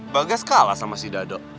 bagas kalah sama si dada